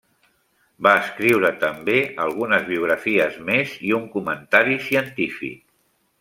Va escriure també algunes biografies més i un comentari científic.